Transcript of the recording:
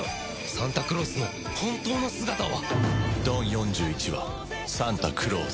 サンタクロースの本当の姿は。